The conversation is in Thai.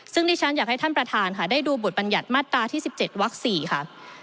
ซึ่งดิฉันอยากให้ท่านประธานค่ะได้ดูบทบัญญัติมาตราที่๑๗วัก๔ค่ะ